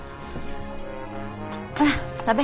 ほら食べ。